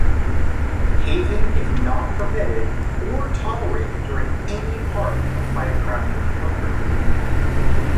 Hazing is not permitted or tolerated during any part of Firecrafter's program.